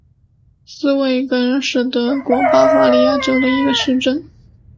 施魏根是德国巴伐利亚州的一个市镇。